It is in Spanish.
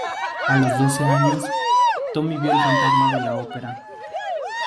A los doce años, Tommy vio el Fantasma de la Opera.